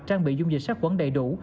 trang bị dung dịch sát quấn đầy đủ